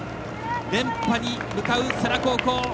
連覇に向かう世羅高校。